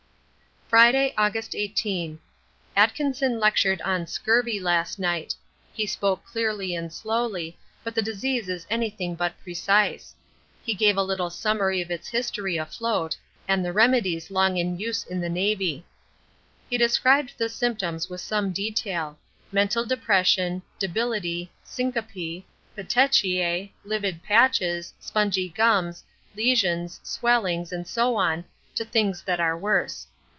Friday, August 18. Atkinson lectured on 'Scurvy' last night. He spoke clearly and slowly, but the disease is anything but precise. He gave a little summary of its history afloat and the remedies long in use in the Navy. He described the symptoms with some detail. Mental depression, debility, syncope, petechiae, livid patches, spongy gums, lesions, swellings, and so on to things that are worse.